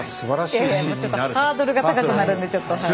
いやいやもうちょっとハードルが高くなるんでちょっとはい。